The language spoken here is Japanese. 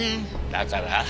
だから？